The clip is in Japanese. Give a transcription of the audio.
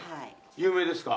有名です。